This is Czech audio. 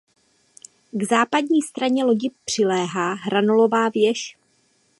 K západní straně lodi přiléhá hranolová věž.